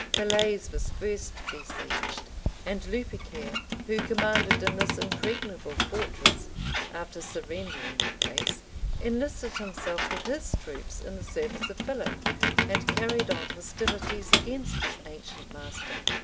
Falaise was first besieged; and Lupicare, who commanded in this impregnable fortress, after surrendering the place, enlisted himself with his troops in the service of Philip, and carried on hostilities against his ancient master.